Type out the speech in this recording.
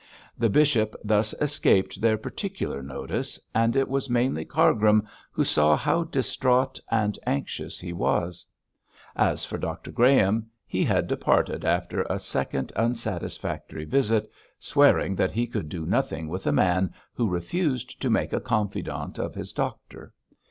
The bishop thus escaped their particular notice, and it was mainly Cargrim who saw how distraught and anxious he was. As for Dr Graham, he had departed after a second unsatisfactory visit, swearing that he could do nothing with a man who refused to make a confidant of his doctor.